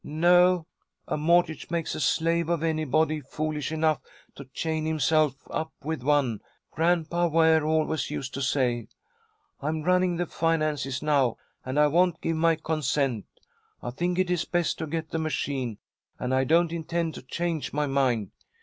"No, a mortgage makes a slave of anybody foolish enough to chain himself up with one, Grandpa Ware always used to say. I'm running the finances now, and I won't give my consent. I think it is best to get the machine, and I don't intend to change my mind.